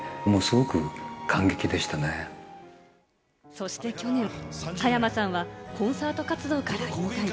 そして去年、加山さんはコンサート活動から引退。